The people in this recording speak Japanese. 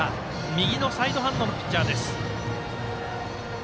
右のサイドハンドのピッチャー。